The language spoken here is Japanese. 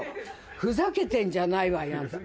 ふざけてんじゃないわよあんた。